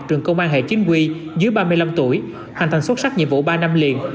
trường công an hệ chính quy dưới ba mươi năm tuổi hoàn thành xuất sắc nhiệm vụ ba năm liền